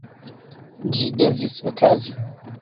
Ĝi devis okazi.